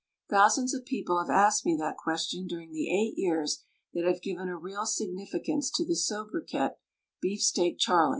Thousands of people have asked me that question during the eight years that have given a real significance to the sobriquet, "Beefsteak Charlie."